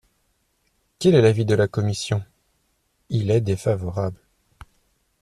Quel est l’avis de la commission ? Il est défavorable.